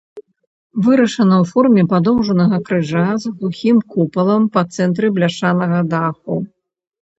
Вырашана ў форме падоўжнага крыжа з глухім купалам па цэнтры бляшанага даху.